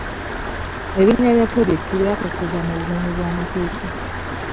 Erinnya lya pulojekiti lya kozesebwa mu bumenyi bw'amateeka.